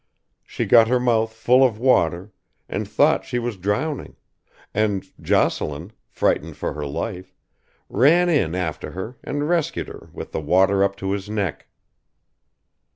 She got her mouth full of water, and thought she was drowning, and Jocelyn, frightened for her life, ran in after her and rescued her with the water up to his neck.